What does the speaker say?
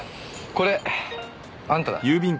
これあんただ。